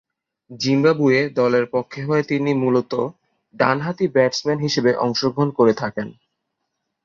Zimbabwe দলের পক্ষ হয়ে তিনি মূলতঃ ডানহাতি ব্যাটসম্যান হিসেবে অংশগ্রহণ করে থাকেন।